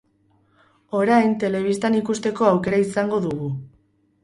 Orain, telebistan ikusteko aukera izango dugu.